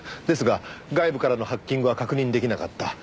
ですが外部からのハッキングは確認出来なかった。